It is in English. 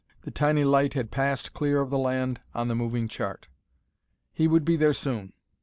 The tiny light had passed clear of the land on the moving chart. He would be there soon....